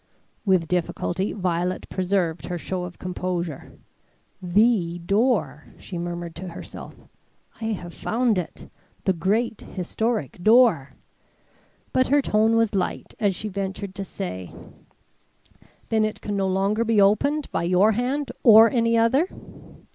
With difficulty Violet preserved her show of composure. "The door!" she murmured to herself. "I have found it. The great historic door!" But her tone was light as she ventured to say: "Then it can no longer be opened by your hand or any other?"